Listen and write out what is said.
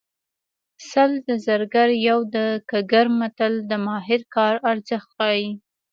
سل د زرګر یو د ګګر متل د ماهر کار ارزښت ښيي